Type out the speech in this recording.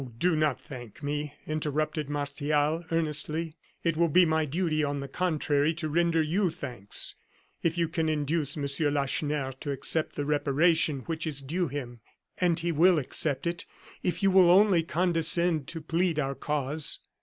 do not thank me," interrupted Martial, earnestly; "it will be my duty, on the contrary, to render you thanks, if you can induce Monsieur Lacheneur to accept the reparation which is due him and he will accept it, if you will only condescend to plead our cause.